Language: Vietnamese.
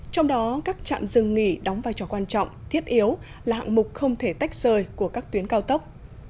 trong đó các trạm dừng nghỉ đóng vai trò quan trọng thiết yếu là hạng mục không thể tách rời của các tuyến cao tốc